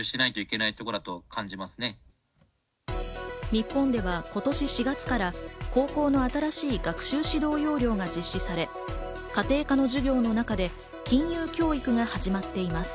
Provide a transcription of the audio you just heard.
日本では今年４月から高校の新しい学習指導要領が実施され、家庭科の授業の中で金融教育が始まっています。